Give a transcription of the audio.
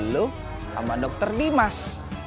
lo sama dokter dimas